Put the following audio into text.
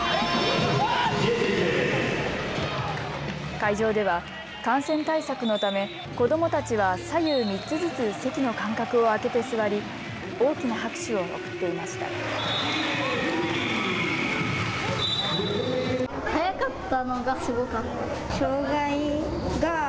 会場では感染対策のため子どもたちは左右３つずつ席の間隔を空けて座り大きな拍手を送っていました。